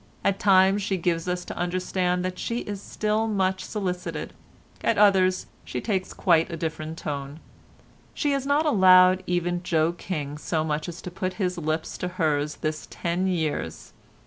At times she gives us to understand that she is still much solicited; at others she takes quite a different tone. She has not allowed even Joe King so much as to put his lips to hers this ten years.